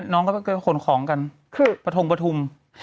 น้องก็คนของกันประทุมประทุม